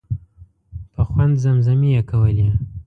په خوند زمزمې یې کولې.